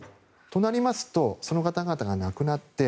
となりますとその方々が亡くなって